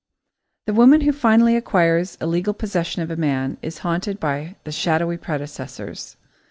The woman who finally acquires legal possession of a man is haunted by the shadowy predecessors.